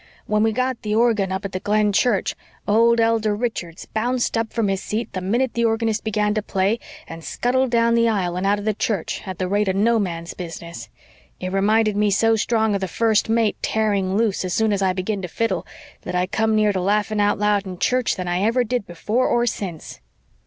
When we got the organ up at the Glen church old Elder Richards bounced up from his seat the minute the organist began to play and scuttled down the aisle and out of the church at the rate of no man's business. It reminded me so strong of the First Mate tearing loose as soon as I begin to fiddle that I come nearer to laughing out loud in church than I ever did before or since."